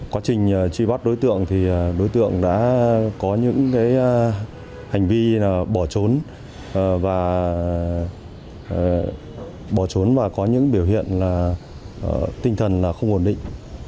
quá trình truy bắt đối tượng đối tượng đã có những hành vi bỏ trốn và có những biểu hiện tinh thần không ổn định